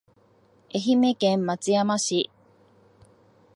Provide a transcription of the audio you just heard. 愛媛県松山市